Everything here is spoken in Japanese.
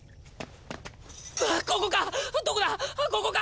ここか？